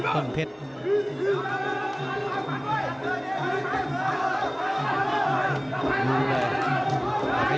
ต้นเพชร